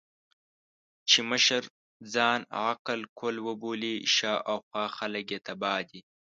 چې مشر ځان عقل کُل وبولي، شا او خوا خلګ يې تباه دي.